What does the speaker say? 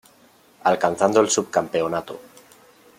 Alcanzando el subcampeonato.